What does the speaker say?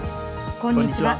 こんにちは。